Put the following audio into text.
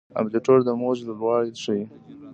امپلیتیوډ د موج لوړوالی ښيي.